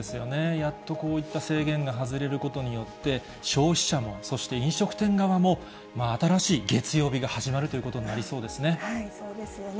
やっとこういった制限が外れることによって、消費者も、そして飲食店側も、新しい月曜日が始まるということになりそうですね。